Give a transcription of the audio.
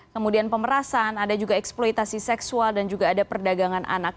kemudian pemerasan ada juga eksploitasi seksual dan juga ada perdagangan anak